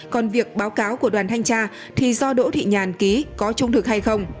còn việc báo cáo của đoàn thanh tra thì do đỗ thị nhàn ký có trung thực hay không